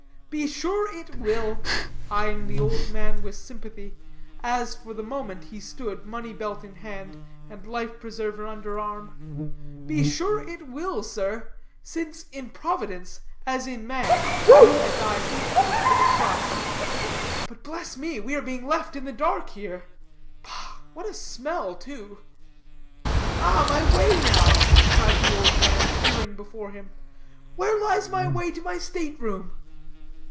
"Be sure it will," eying the old man with sympathy, as for the moment he stood, money belt in hand, and life preserver under arm, "be sure it will, sir, since in Providence, as in man, you and I equally put trust. But, bless me, we are being left in the dark here. Pah! what a smell, too." "Ah, my way now," cried the old man, peering before him, "where lies my way to my state room?"